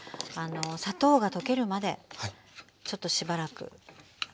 砂糖が溶けるまでちょっとしばらく混ぜて。